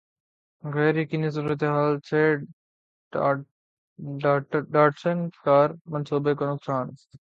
غیریقینی صورتحال سے Datsun car منصوبے کو نقصان